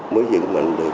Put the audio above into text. mới dựng mạnh được